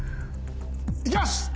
いきます！